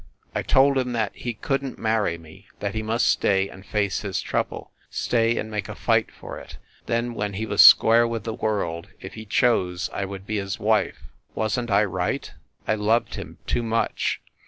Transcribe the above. I told him that he couldn t marry me, that he must stay and face his trouble stay and make a fight for it then, when he was square with the world, if he chose, I would be his wife wasn t I right? I loved him too much